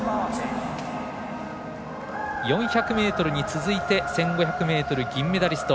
４００ｍに続いて１５００ｍ銀メダリスト